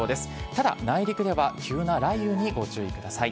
ただ内陸では急な雷雨にご注意ください。